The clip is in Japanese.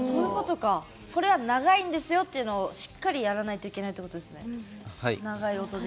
これは長いんですよっていうのをしっかりやらないといけないんですね。